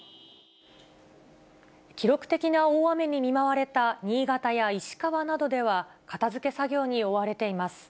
記録的な大雨に見舞われた新潟や石川などでは、片づけ作業に追われています。